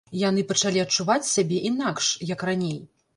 Яны пачалі адчуваць сябе інакш, як раней.